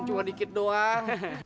cuma dikit doang